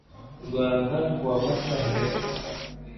rwanda kuwa mata hagati